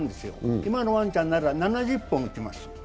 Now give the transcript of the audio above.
今のワンちゃんなら７０本打ちます。